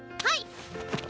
はい！